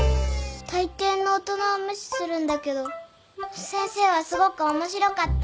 たいていの大人は無視するんだけど先生はすごく面白かった。